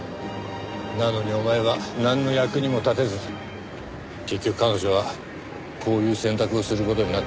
なのにお前はなんの役にも立てず結局彼女はこういう選択をする事になったわけか。